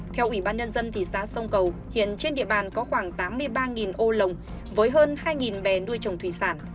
theo ủy ban nhân dân thị xã sông cầu hiện trên địa bàn có khoảng tám mươi ba ô lồng với hơn hai bè nuôi trồng thủy sản